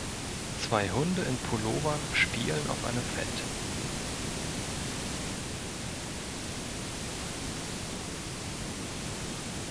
Zwei Hunde in Pullovern spielen auf einem Feld.